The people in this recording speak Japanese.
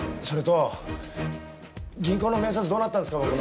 それと銀行の面接どうなったんですか？